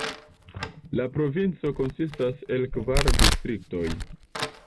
La provinco konsistas el kvar distriktoj.